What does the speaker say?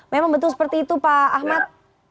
memang betul seperti itu pak ahmad